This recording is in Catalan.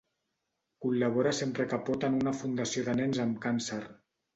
Col·labora sempre que pot en una fundació de nens amb càncer.